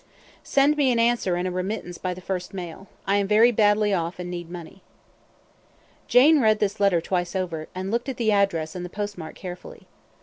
Send me an answer and a remittance by the first mail. I am very badly off and need money." Jane read this letter twice over, and looked at the address and the postmark carefully.